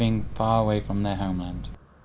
ngày hôm nay